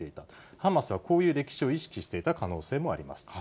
ハマスはこういう歴史を意識していた可能性もあります。